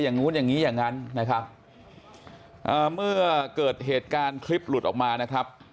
อย่างนู้นอย่างงี้อย่างนั้นนะครับอ่าเมื่อเกิดเหตุการณ์คลิปหลุดออกมานะครับ